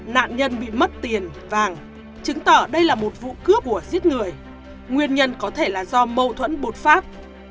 nạn nhân bị mất tiền vàng chứng tỏ đây là một vụ cướp của giết người nguyên nhân có thể là do mâu thuẫn bột phát